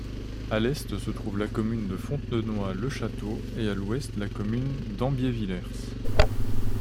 À l'est se trouve la commune de Fontenoy-le-Château et à l'ouest la commune d'Ambievillers.